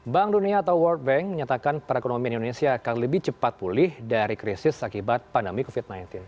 bank dunia atau world bank menyatakan perekonomian indonesia akan lebih cepat pulih dari krisis akibat pandemi covid sembilan belas